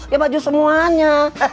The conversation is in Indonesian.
ya baju semuanya